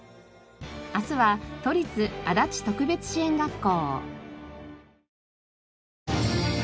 明日は都立足立特別支援学校。